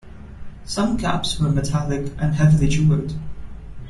Some caps were metallic and heavily jewelled.